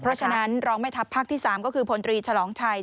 เพราะฉะนั้นรองแม่ทัพภาคที่๓ก็คือพลตรีฉลองชัย